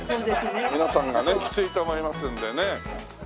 皆さんがねきついと思いますんでね。